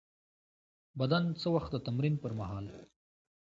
بدن څه وخت د تمرین پر مهال